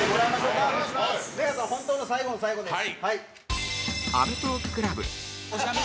本当の最後の最後です。